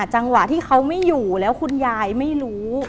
จังหวะที่เขาไม่อยู่แล้วคุณยายไม่รู้